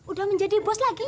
udah menjadi bos lagi